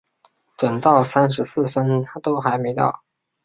等到三十四分都还没到